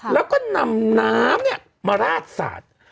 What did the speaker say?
แล้วก็นำน้ำมาราดสาด